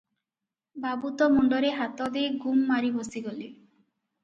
ବାବୁ ତ ମୁଣ୍ଡରେ ହାତ ଦେଇ ଗୁମ୍ ମାରି ବସିଗଲେ ।